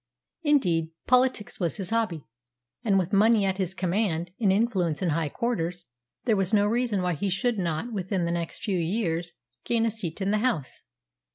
Indeed, politics was his hobby; and, with money at his command and influence in high quarters, there was no reason why he should not within the next few years gain a seat in the House.